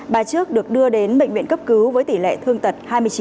bà trước được đưa đến bệnh viện cấp cứu với tỷ lệ thương tật hai mươi chín